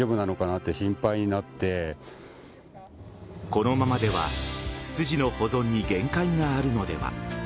このままではツツジの保存に限界があるのでは。